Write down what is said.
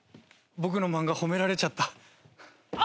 僕の漫画褒められちゃった。